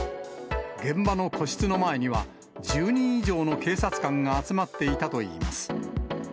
現場の個室の前には１０人以上の警察官が集まっていたといいます。